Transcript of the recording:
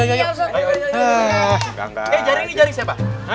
eh jaring nih jaring siapa